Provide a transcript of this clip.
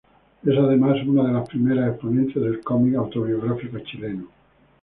Es además una de las primeras exponentes del cómic autobiográfico chileno.